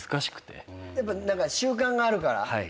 やっぱ何か習慣があるから。